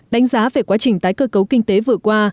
đánh giá về quá trình tái cơ cấu kinh tế vừa qua